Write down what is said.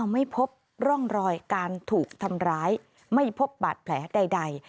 ไม่พบร่องรอยการถูกทำร้ายไม่พบบาดแผลใด